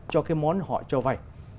cho cái món họ cho vay